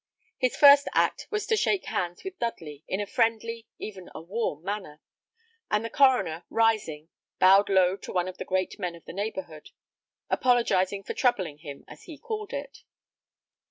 His first act was to shake hands with Dudley, in a friendly, even a warm manner; and the coroner, rising, bowed low to one of the great men of the neighbourhood, apologising for troubling him, as he called it.